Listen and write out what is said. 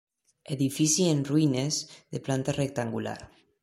Edifici en ruïnes, de planta rectangular.